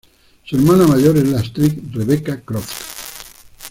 Su hermana mayor es la actriz Rebecca Croft.